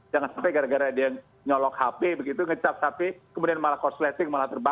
jangan sampai gara gara ada yang nyolok hp begitu ngecap hp kemudian malah korslesing malah terbakar